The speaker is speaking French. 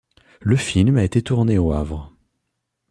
Le film a été tourné au Havre.